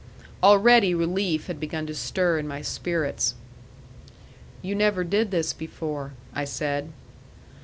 Already relief had begun to stir in my spirits. "You never did this before," I said.